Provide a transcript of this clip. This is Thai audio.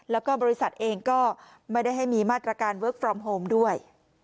แล้วก็บริษัทเองก็ไม่ได้ให้มีมาตรการเวิร์คฟอร์มโฮมด้วย